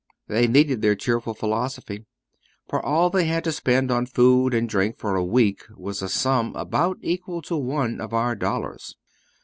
They needed their cheerful philosophy, for all they had to spend on food and drink for a week was a sum about equal to one of our dollars.